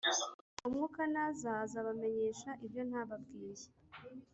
uwo mwuka naza azabamenyesha ibyo ntababwiye